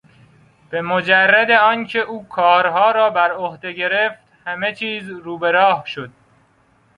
به مجرد آن که او کارها را به عهده گرفت همه چیز روبراه شد.